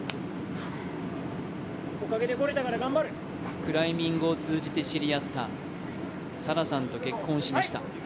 クライミングを通じて知り合った沙良さんと結婚しました。